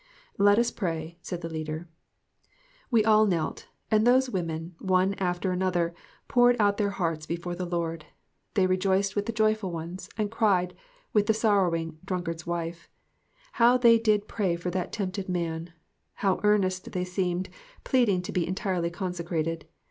" Let us pray," said the leader. We all knelt, and those women one after an other, poured out their hearts before the Lord. They rejoiced with the joyful ones, and cried with the sorrowful drunkard's wife. How they did pray for that tempted man ! How earnest they seemed, pleading to be entirely consecrated.